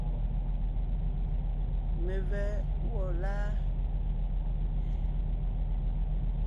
Mevɛ́ gwɔ́ láa?